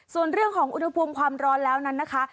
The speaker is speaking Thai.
ส่วนเรื่องของอุณหภูมิความร้อนแล้วนั้นนะคะ